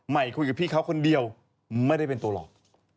คุยกับพี่เขาคนเดียวไม่ได้เป็นตัวหลอก